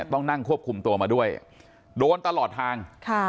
ต้องนั่งควบคุมตัวมาด้วยโดนตลอดทาง